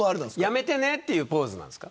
やめてねというポーズなんですか。